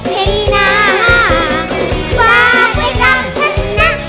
ให้นาความเป็นรักฉันน่ะ